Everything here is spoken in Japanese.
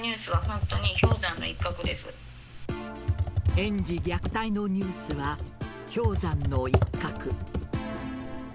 園児虐待のニュースは氷山の一角。